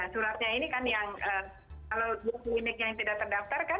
suratnya ini kan yang kalau dua klinik yang tidak terdaftar kan